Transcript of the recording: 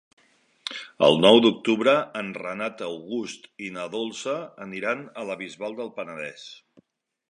El nou d'octubre en Renat August i na Dolça aniran a la Bisbal del Penedès.